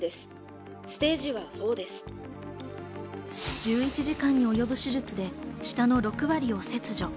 １１時間におよぶ手術で、舌の６割を切除。